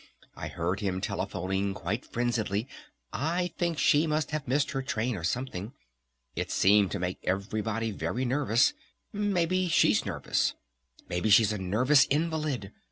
I heard him telephoning quite frenziedly! I think she must have missed her train or something! It seemed to make everybody very nervous! Maybe she's nervous! Maybe she's a nervous invalid!